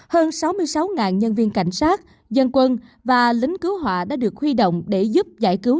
hơn sáu mươi sáu nhân viên cảnh sát dân quân và lính cứu hỏa đã được huy động để giúp giải cứu